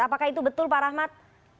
apakah itu betul pak rahmat